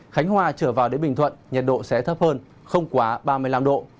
khánh hòa trở vào đến bình thuận nhiệt độ sẽ thấp hơn không quá ba mươi năm độ